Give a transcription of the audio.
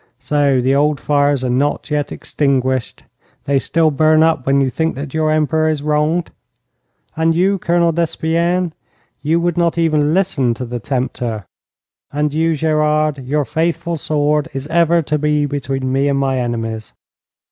So the old fires are not yet extinguished! They still burn up when you think that your Emperor is wronged. And you, Colonel Despienne, you would not even listen to the tempter. And you, Gerard, your faithful sword is ever to be between me and my enemies.